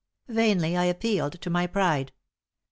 Vainly I appealed to my pride.